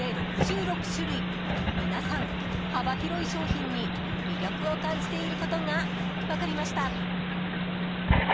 ［皆さん幅広い商品に魅力を感じていることが分かりました］